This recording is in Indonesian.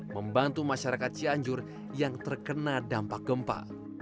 membantu masyarakat cianjur yang terkena dampak gempa